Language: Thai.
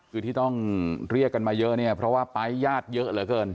คือที่ต้องเรียกกันมาเยอะเนี่ยเพราะว่าไปญาติเยอะเหลือเกิน